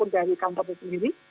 dari kantor itu sendiri